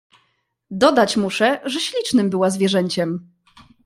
"Dodać muszę, że ślicznem była zwierzęciem."